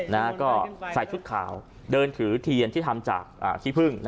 นะฮะก็ใส่ชุดขาวเดินถือเทียนที่ทำจากขี้พึ่ง